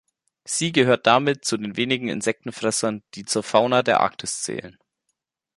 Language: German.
Sie gehört damit zu den wenigen Insektenfressern, die zur Fauna der Arktis zählen.